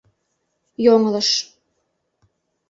ЙОҤЫЛЫШ